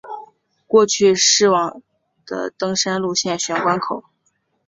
过去是往的登山路线玄关口。